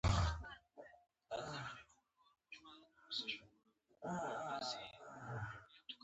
ځینې یې په رسمیت نه پېژني.